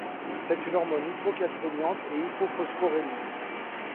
C'est une hormone hypocalcémiante et hypophosphorémiante.